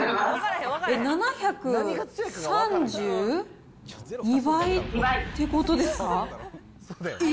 ７３２倍ってことですか？